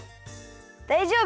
だいじょうぶ！